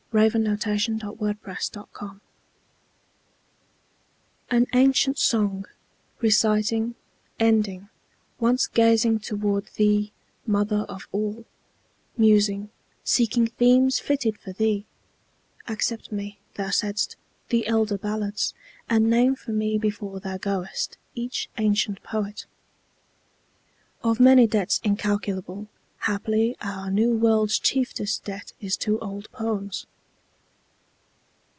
Can I not know, identify thee? Old Chants An ancient song, reciting, ending, Once gazing toward thee, Mother of All, Musing, seeking themes fitted for thee, Accept me, thou saidst, the elder ballads, And name for me before thou goest each ancient poet. (Of many debts incalculable, Haply our New World's chieftest debt is to old poems.)